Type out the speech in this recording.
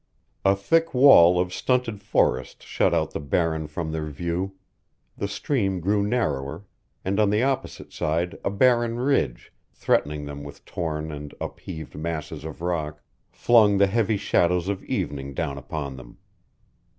A thick wall of stunted forest shut out the barren from their view; the stream grew narrower, and on the opposite side a barren ridge, threatening them with torn and upheaved masses of rock, flung the heavy shadows of evening down upon them.